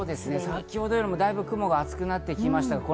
先ほどよりも、だいぶ雲が厚くなってきました。